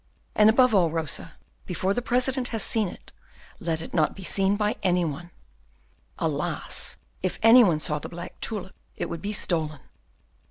And above all, Rosa, before the President has seen it, let it not be seen by any one. Alas! if any one saw the black tulip, it would be stolen."